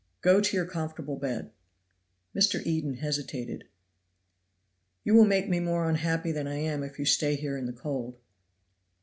Go to your comfortable bed." Mr. Eden hesitated. "You will make me more unhappy than I am, if you stay here in the cold."